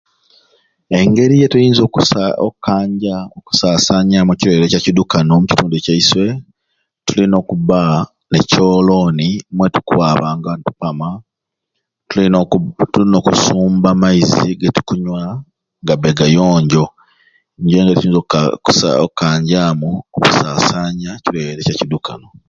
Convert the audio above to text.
Engeri gyenyiza okukanya okusasanyamu ekilwaire kya kidukano omu kitundu kyaiswe tulina okuba ne kyoloni mwe tukwabanga ne tupama tuina oku okusumba amaizi getekunya gabe gayonjo niyo ngeri oku okukanyamu okusasanya ekilwaire kya kidukano